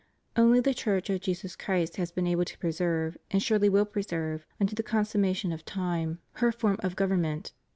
... Only the Church of Jesus Christ has been able to preserve, and surely will preserve unto the consummation of time, her ALLEGIANCE TO THE REPUBLIC. 257 form of government.